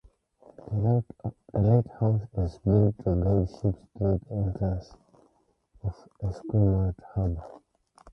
The lighthouse as built to guide ships through the entrance of Esquimalt harbour.